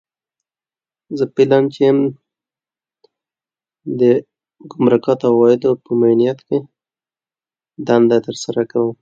He made three first class hundreds.